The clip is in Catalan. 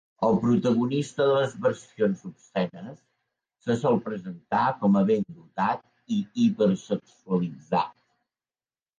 El protagonista de les versions obscenes se sol presentar com a ben dotat i hipersexualitzat.